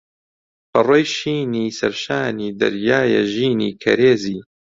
پەڕۆی شینی سەرشانی دەریایە ژینی کەرێزی